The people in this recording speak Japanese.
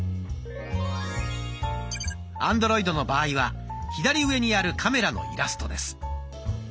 アンドロイドの場合は左上にあるカメラのイラストです。